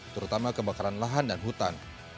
terutama kebakaran lahan dan hutan